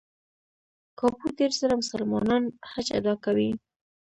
کابو دېرش زره مسلمانان حج ادا کوي.